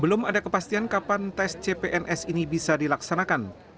belum ada kepastian kapan tes cpns ini bisa dilaksanakan